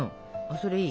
それいい。